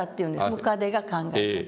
ムカデが考えた。